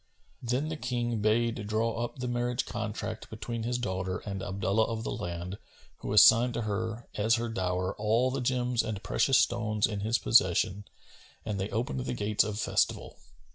Then the King bade draw up the marriage contract between his daughter and Abdullah of the Land[FN#252] who assigned to her, as her dower, all the gems and precious stones in his possession, and they opened the gates of festival.